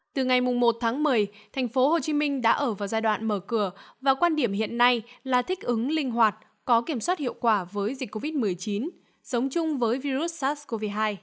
từ ngày một tháng một mươi thành phố hồ chí minh đã ở vào giai đoạn mở cửa và quan điểm hiện nay là thích ứng linh hoạt có kiểm soát hiệu quả với dịch covid một mươi chín sống chung với virus sars cov hai